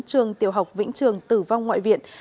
trường tiểu học vĩnh trường tử vong ngoại viện